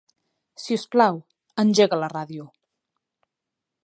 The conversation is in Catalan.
Si us plau, engega la ràdio.